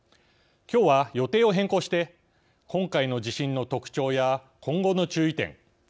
きょうは予定を変更して今回の地震の特徴や今後の注意点